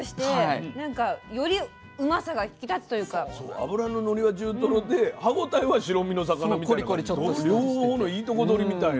脂ののりは中トロで歯応えは白身の魚みたいな感じで両方のいいとこ取りみたいな。